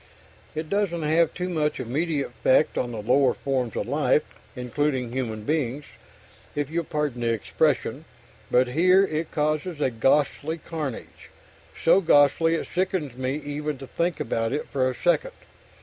It doesn't have too much immediate effect on the lower forms of life including human beings, if you'll pardon the expression. But here, it causes a ghastly carnage, so ghastly it sickens me even to think about it for a second.